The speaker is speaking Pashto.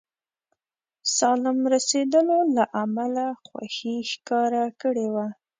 سالم رسېدلو له امله خوښي ښکاره کړې وه.